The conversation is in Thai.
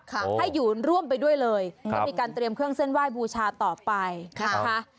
ให้อยู่ร่วมไปด้วยเลยก็มีการเตรียมเครื่องเส้นไหว้บูชาต่อไปนะคะ